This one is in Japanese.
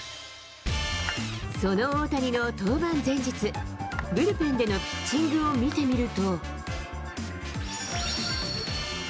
その大谷の登板前日、ブルペンでのピッチングを見てみると。